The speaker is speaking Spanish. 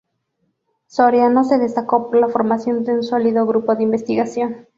Soriano se destacó por la formación de un sólido grupo de investigación.